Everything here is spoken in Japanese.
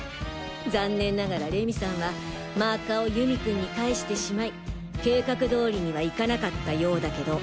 残念ながら礼美さんはマーカーを祐美君に返してしまい計画通りにはいかなかったようだけど。